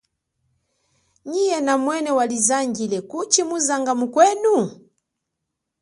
Nyi yena mwene walizangile, kuchi muzanga mukwenu?